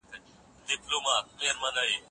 قرانشریف پر ځمکه ولوېد.